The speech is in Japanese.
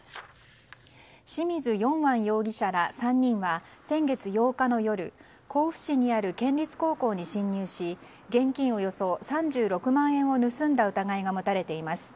清水栄完容疑者ら３人は先月８日の夜甲府市にある県立高校に侵入し現金およそ３６万円を盗んだ疑いが持たれています。